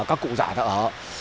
các cụ già đã ở